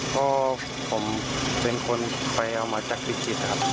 เพราะผมเป็นคนไปเอามาจากพิจิตรนะครับ